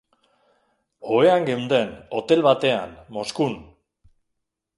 Ohean geunden, hotel batean, Moskun.